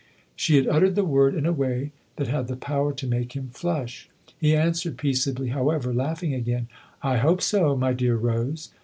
She had uttered the word in a way that had the power to make him flush. He answered peaceably, however, laughing again :" I hope so, my dear Rose